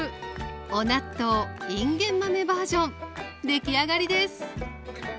おなっとういんげん豆バージョン出来上がりです